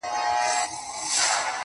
ښه ډېره ښكلا غواړي ،داسي هاسي نه كــيږي.